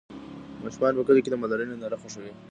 ماشومان په کلي کې د مالدارۍ ننداره خوښوي.